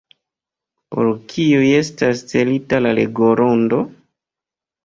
Por kiuj estas celita la legorondo?